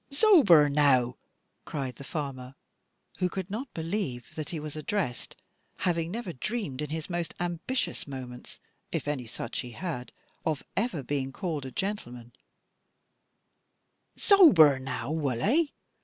"Zober now," cried the farmer, who could not believe that he was addressed, having never dreamed, in his most ambitious moments (if any such he had), of ever being called a gentleman, "zober now, wull'e.